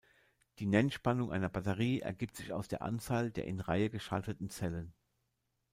Die Nennspannung einer Batterie ergibt sich aus der Anzahl der in Reihe geschalteten Zellen.